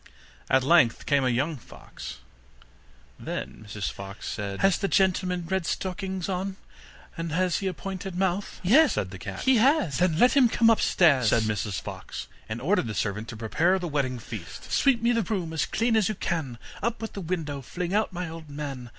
At length came a young fox. Then Mrs Fox said: 'Has the gentleman red stockings on, and has a little pointed mouth?' 'Yes,' said the cat, 'he has.' 'Then let him come upstairs,' said Mrs Fox, and ordered the servant to prepare the wedding feast. 'Sweep me the room as clean as you can, Up with the window, fling out my old man!